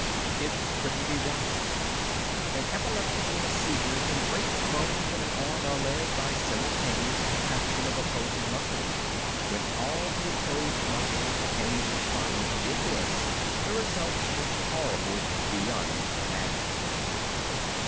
It couldn't be watched. An epileptic in a seizure can break the bones in a leg or arm by simultaneous contraction of opposing muscles. When all the opposed muscles of Hengly's body did this the results were horrible beyond imagining.